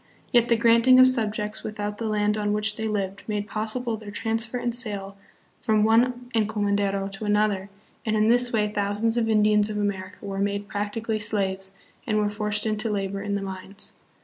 Yet the granting of subjects without the land on which they lived made possible their transfer and sale from one encomendero to another, and hi this way thou sands of Indians of America were made practically slaves, and were forced into labor in the mines.